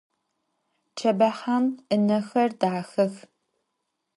Çebexhan ınexer daxex.